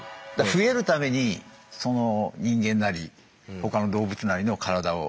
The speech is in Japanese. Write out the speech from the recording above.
増えるためにその人間なり他の動物なりの体を。